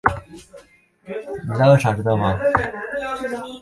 鲁比永河畔圣热尔韦人口变化图示